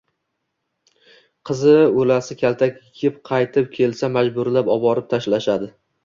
Qizi oʻlasi kaltak yeb qaytib kelsa majburlab oborib tashlashadi.